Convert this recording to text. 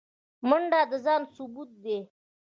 منډه د ځان ثبوت دی